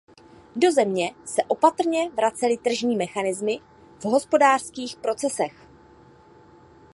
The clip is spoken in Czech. Do země se opatrně vracely tržní mechanismy v hospodářských procesech.